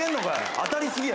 当たりすぎや。